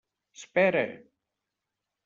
Espera!